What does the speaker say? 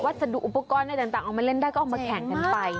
สดุอุปกรณ์อะไรต่างเอามาเล่นได้ก็เอามาแข่งกันไป